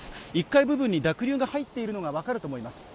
１階部分に濁流が入っているのがわかると思います